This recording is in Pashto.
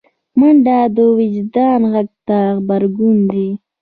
منډه د وجدان غږ ته غبرګون دی